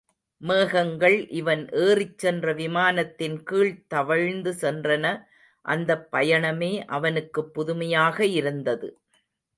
மேகங்கள் இவன் ஏறிச் சென்ற விமானத்தின் கீழ்த் தவழ்ந்து சென்றன, அந்தப் பயணமே அவனுக்குப் புதுமையாக இருந்தது.